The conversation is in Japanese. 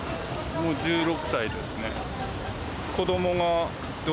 もう１６歳ですね。